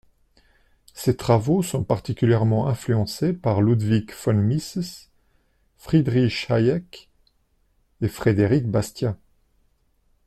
Ses travaux sont particulièrement influencés par Ludwig von Mises, Friedrich Hayek et Frédéric Bastiat.